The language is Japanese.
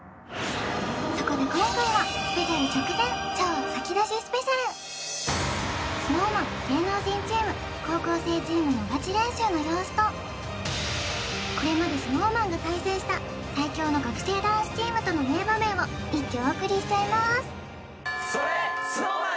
そこで今回はＳｎｏｗＭａｎ芸能人チーム高校生チームのガチ練習の様子とこれまでＳｎｏｗＭａｎが対戦した最強の学生ダンスチームとの名場面を一挙お送りしちゃいます！